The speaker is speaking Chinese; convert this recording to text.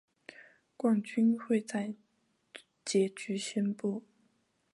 冠军会在结局宣布。